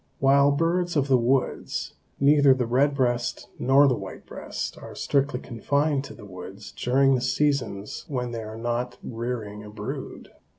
While birds of the woods, neither the red breast nor the white breast are strictly confined to the woods during the seasons when they are not rearing a brood.